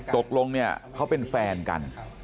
ตกลงเขาเป็นแฟนกัน